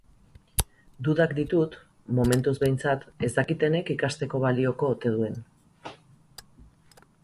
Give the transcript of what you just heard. Dudak ditut, momentuz behintzat ez dakitenek ikasteko balioko ote duen.